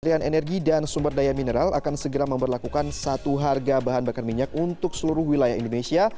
kementerian energi dan sumber daya mineral akan segera memperlakukan satu harga bahan bakar minyak untuk seluruh wilayah indonesia